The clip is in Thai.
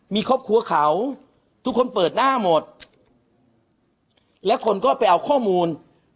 มีครอบครัวเขาทุกคนเปิดหน้าหมดและคนก็ไปเอาข้อมูล